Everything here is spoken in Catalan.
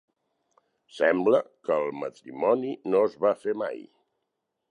Sembla que el matrimoni no es va fer mai.